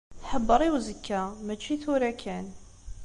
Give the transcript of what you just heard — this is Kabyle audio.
Ḥebbeṛ i uzekka, mačči i tura kan.